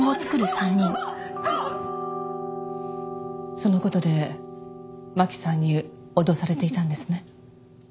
その事で真輝さんに脅されていたんですね？